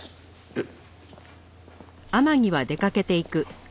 えっ。